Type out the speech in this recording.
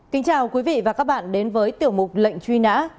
kính chào quý vị và các bạn đến với tiểu mục lệnh truy nã